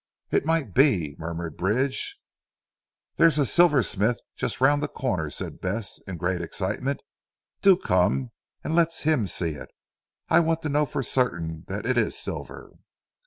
"It might be," murmured Bridge. "There is a silversmith just round the corner," said Bess in great excitement. "Do come and let him see it. I want to know for certain that it is silver."